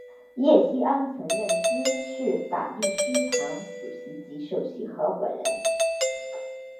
叶锡安曾任孖士打律师行主席及首席合夥人。